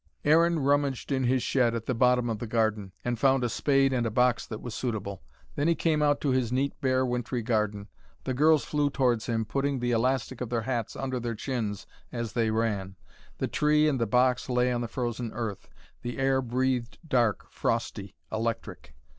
Aaron rummaged in his shed at the bottom of the garden, and found a spade and a box that was suitable. Then he came out to his neat, bare, wintry garden. The girls flew towards him, putting the elastic of their hats under their chins as they ran. The tree and the box lay on the frozen earth. The air breathed dark, frosty, electric.